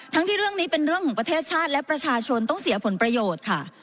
ทั้งที่เรื่องนี้เป็นเรื่องของประเทศชาติและประชาชนต้องเสียผลประโยชน์ค่ะ